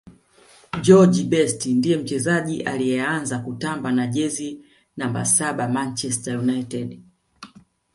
george best ndiye mchezaji aliyeanza kutamba na jezi namba saba manchester united